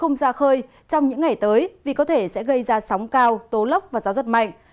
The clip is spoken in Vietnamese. không ra khơi trong những ngày tới vì có thể sẽ gây ra sóng cao tố lốc và gió rất mạnh